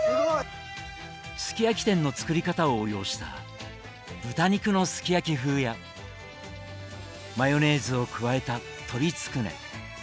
すき焼き店の作り方を応用した豚肉のすき焼き風やマヨネーズを加えた鶏つくね。